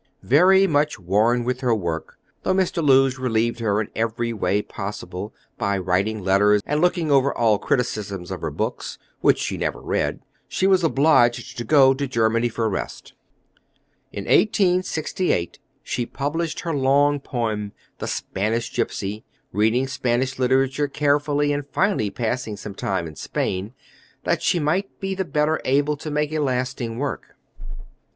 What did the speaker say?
Very much worn with her work, though Mr. Lewes relieved her in every way possible, by writing letters and looking over all criticisms of her books, which she never read, she was obliged to go to Germany for rest. In 1868 she published her long poem, The Spanish Gypsy, reading Spanish literature carefully, and finally passing some time in Spain, that she might be the better able to make a lasting work.